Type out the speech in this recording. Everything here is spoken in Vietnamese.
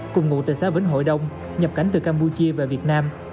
cùng ngụ từ xã vĩnh hội đông nhập cảnh từ campuchia về việt nam